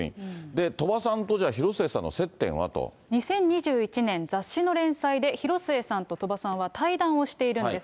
で、鳥羽さんと広末さんの接点は２０２１年、雑誌の連載で広末さんと鳥羽さんは対談をしているんです。